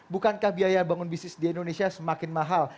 bukankah biaya bangun bisnis di indonesia semakin mahal